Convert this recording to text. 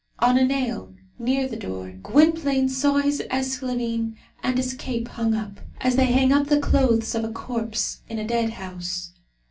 On a nail, near the door, Gwynplaine saw his esclavine and his cape hung up, as they hang up the clothes of a corpse in a dead house.